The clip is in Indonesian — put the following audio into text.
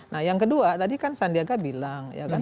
nah yang kedua tadi kan sandiaga bilang